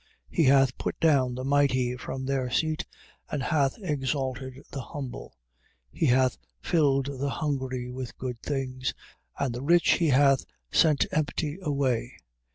1:52. He hath put down the mighty from their seat and hath exalted the humble. 1:53. He hath filled the hungry with good things: and the rich he hath sent empty away.